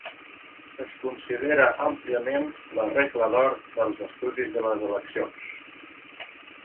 Es considera àmpliament la "regla d'or" dels estudis de les eleccions.